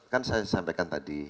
kan saya sampaikan tadi